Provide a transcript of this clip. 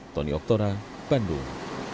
tony oktora bandung